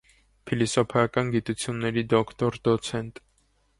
Փիլիսոփայական գիտությունների դոկտոր, դոցենտ։